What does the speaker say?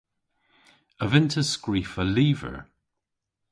A vynn'ta skrifa lyver?